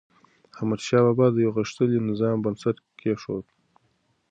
احمدشاه بابا د یو غښتلي نظام بنسټ کېښود.